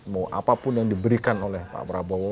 mau apapun yang diberikan oleh pak prabowo